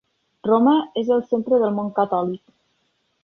Roma és el centre del món catòlic.